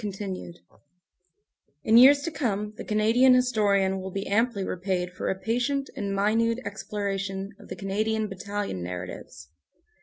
CONTINUED IN years to come the Canadian historian will be amply repaid for a patient and minute exploration of the Canadian battalion narratives.